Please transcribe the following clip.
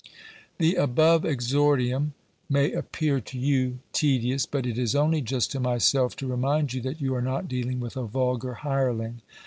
The above exordium may appear to you tedious, but it is only just to myself to remind you that you are not dealing with a vulgar hireling.